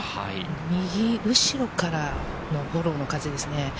右後ろからのフォローの風ですね。